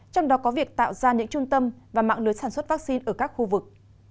trong đó có việc tạo ra những trung tâm và mạng lưới sản xuất vaccine ở các khu vực